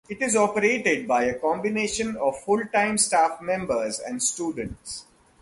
It is operated by a combination of full-time staff members and students.